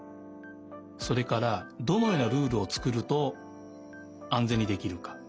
それからどのようなルールをつくるとあんぜんにできるか。